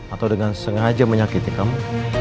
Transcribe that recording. atau dengan sengaja menyakiti kamu